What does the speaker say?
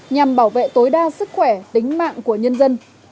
nhằm bảo vệ tối đa sức khỏe tính mạng của nhân dân